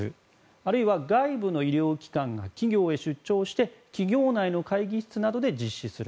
あるいは外部の医療機関が企業へ出張して企業内の会議室などで実施する。